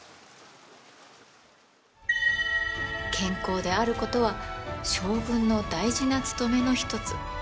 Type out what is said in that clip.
健康であることは将軍の大事な務めの一つ。